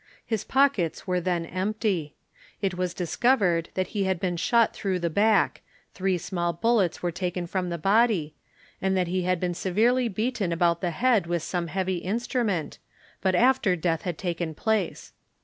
His pockets were then empty. It was discovered that he had been shot through the back three small bullets were taken from the body and that he had been severely beaten about the head with some heavy instrument, but after death had taken place.